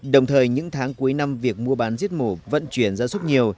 đồng thời những tháng cuối năm việc mua bán giết mổ vận chuyển gia súc nhiều